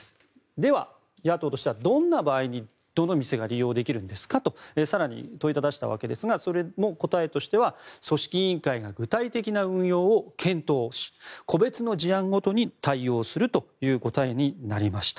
では、野党としてはどんな場合にどの店が利用できるんですかと更に問いただしたわけですがそれも答えとしては組織委員会が具体的運用を検討し個別の事案ごとに対応するという答えになりました。